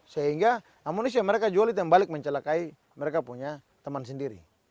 sehingga amunisi yang mereka jual itu yang balik mencelakai mereka punya teman sendiri